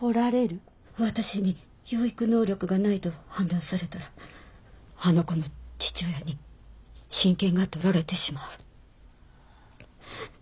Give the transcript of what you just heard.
私に養育能力がないと判断されたらあの子の父親に親権が取られてしまう。